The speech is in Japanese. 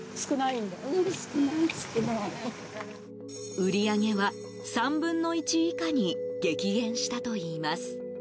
売り上げは３分の１以下に激減したといいます。